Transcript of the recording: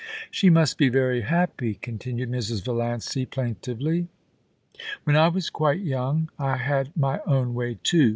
* 'She must be very happy,' continued Mrs. Valiancy, plaintively. * When I was quite young I had my own way too.